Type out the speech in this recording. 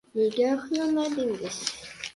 — Nega uxlamadingiz?